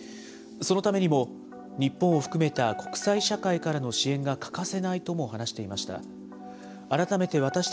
そのためにも、日本を含めた国際社会からの支援が欠かせないとも話していました。